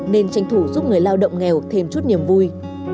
nên tranh thủ giúp người lao động nghèo thêm chút niềm vui